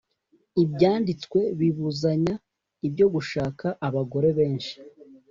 ibyanditswe bibuzanya ibyo gushaka abagore benshi